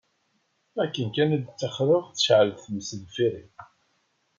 Akken kan i d-ṭṭaxreɣ, tecɛel tmes deffir-i.